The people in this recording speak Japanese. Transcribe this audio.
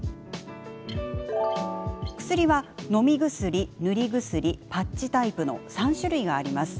薬は、のみ薬、塗り薬パッチタイプの３種類があります。